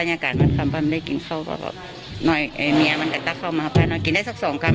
มันว่าคราบดีกว่าผมจะไปชนบ้านนี้ก่อนอีกล่ะ